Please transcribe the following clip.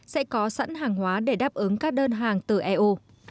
sẽ có sẵn hàng hóa để đáp ứng các đơn hàng từ eu